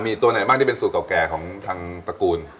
มีตัวไหนบ้างที่เป็นสูตรเก่าแก่ของทางตระกูล